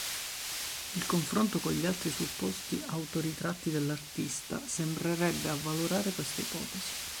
Il confronto con gli altri supposti autoritratti dell'artista sembrerebbe avvalorare questa ipotesi.